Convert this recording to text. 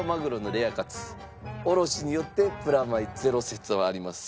おろしによってプラマイゼロ説はあります。